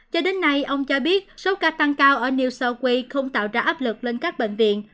cho đến nay ông cho biết số ca tăng cao ở news southwave không tạo ra áp lực lên các bệnh viện